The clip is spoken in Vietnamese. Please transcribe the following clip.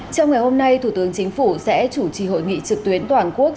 trong ngày hôm nay thủ tướng chính phủ sẽ chủ trì hội nghị trực tuyến toàn quốc